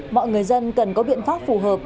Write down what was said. mọi người dân cần có biện pháp phù hợp